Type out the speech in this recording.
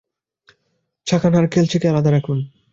ছাঁকা নারকেল আরও দুই কাপ পানি দিয়ে গুলে দুধটুকু ছেঁকে আলাদা রাখুন।